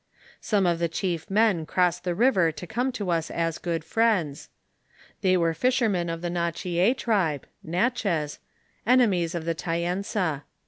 Some of the chief men crossed the river to come to us as good friends. They were fishermen of the Nachi^ tribe (Natchez), enemies of the Taensa.